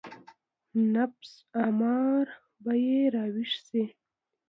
نفس اماره به يې راويښ شي.